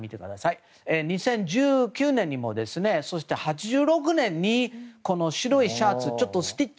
更に２０１９年にもそして８６年に白いシャツ。